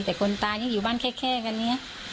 แต่คนตายอยู่บ้านแค่นะเนี่ย